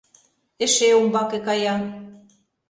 Эше умбаке кая.